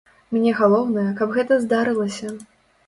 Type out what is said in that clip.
Мне галоўнае, каб гэта здарылася!